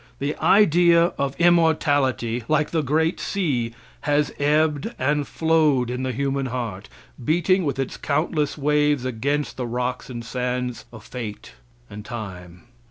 The idea of immortality, like the great sea, has ebbed and flowed in the human heart, beating with its countless waves against the rocks and sands of fate and time.